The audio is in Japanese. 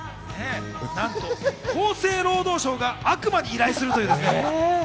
なんと厚生労働省が悪魔に依頼するという。